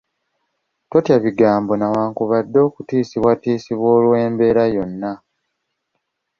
Totya bigambo newankubadde okutiisibwatisibwa olw’embeera yonna.